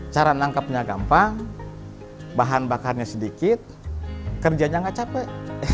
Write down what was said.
cara menangkapnya gampang bahan bakarnya sedikit kerjanya nggak capek